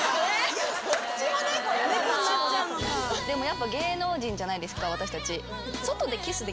でもやっぱ芸能人じゃないですか私たち。